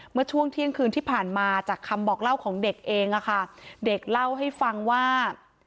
เมื่อช่วงเที่ยงคืนที่ผ่านมาจากคำบอกเล่าของเด็กเองอะค่ะเด็กเล่าให้ฟังว่า